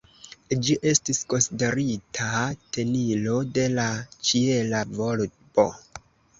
Ĝi estis konsiderita tenilo de la ĉiela volbo.